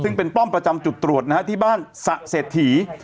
ซึ่งเป็นป้อมประจำจุดตรวจนะฮะที่บ้านสะเศรษฐี